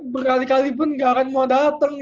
berkali kali pun gak akan mau datang